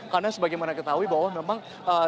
karena sebagaimana ketahui bahwa memang